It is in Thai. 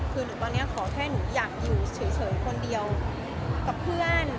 คือหนูตอนนี้ขอแค่หนูอยากอยู่เฉยคนเดียวกับเพื่อน